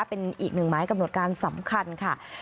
เป็นอีกหนึ่งหมายกำหนดการสำคัญค่ะ